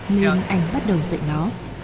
nên anh bắt đầu dạy nó